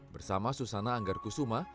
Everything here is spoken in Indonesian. bersama susana anggar kusuma